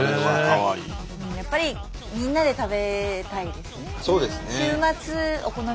やっぱりみんなで食べたいですね。